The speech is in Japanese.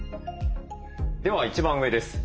では一番上です。